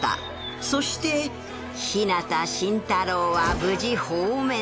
そして日向新太郎は無事放免となった